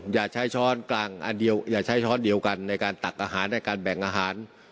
อย่าใช้ช้อนกลางอันเดียวอย่าใช้ช้อนเดียวกันในการตักอาหารในการแบ่งอาหาร